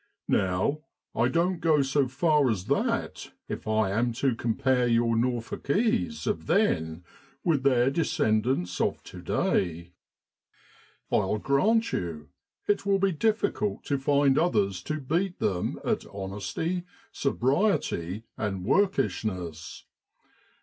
Now, I don't go so far as that if I am to compare your Norfolkese of then with their descendants of to day. I'll grant you it will be difficult to find others to beat them at honesty, sobriety, and workishness.